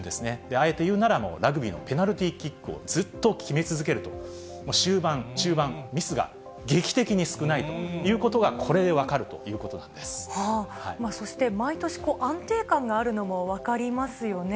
あえて言うなら、ラグビーのペナルティーキックをずっと決め続けると、終盤、中盤、ミスが劇的に少ないということが、これで分かるといそして毎年、安定感があるのも分かりますよね。